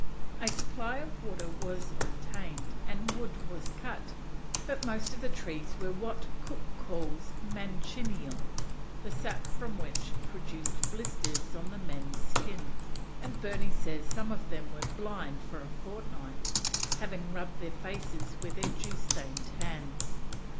A supply of water was obtained and wood was cut, but most of the trees were what Cook calls Manchineel, the sap from which produced blisters on the men's skin, and Burney says some of them were blind for a fortnight, having rubbed their faces with their juice stained hands.